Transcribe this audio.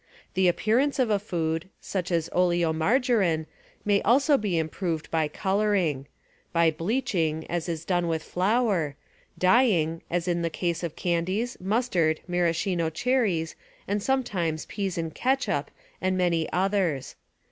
The appearance of a food, such as oleomargarine, may also be improved by coloring; by bleaching, as is done with flour; dyeing, as in the case of candies, mustard, maraschino cherries, and sometimes peas and ketchup and many others.